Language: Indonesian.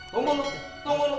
tunggu lo tunggu lo